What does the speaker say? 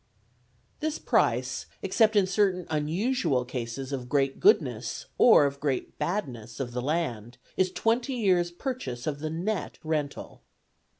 This price, except in certain unusual cases of great goodness or of great badness of the land, is twenty years' purchase of the net rental.